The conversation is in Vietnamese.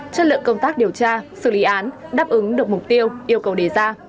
chất lượng công tác điều tra xử lý án đáp ứng được mục tiêu yêu cầu đề ra